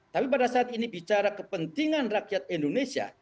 tapi pada saat ini bicara kepentingan rakyat indonesia